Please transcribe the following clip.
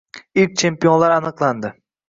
Ilk chempionlar aniqlandi